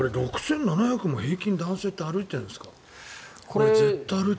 ６７００歩も平均、男性って歩いているんですか？